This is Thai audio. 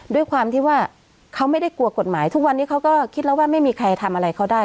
ด้วยความที่ว่าเขาไม่ได้กลัวกฎหมายทุกวันนี้เขาก็คิดแล้วว่าไม่มีใครทำอะไรเขาได้